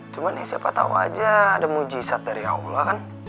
cuma ya siapa tahu aja ada mujizat dari allah kan